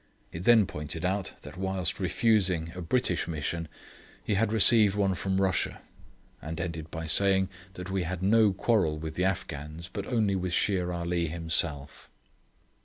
It then pointed out that whilst refusing a British Mission he had received one from Russia; and ended by saying that we had no quarrel with the Afghans, but only with Shere Ali himself.